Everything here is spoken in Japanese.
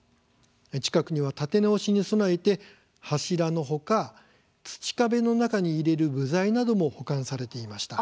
近くには建て直しに備えて柱のほか土壁の中に入れる部材なども保管されていました。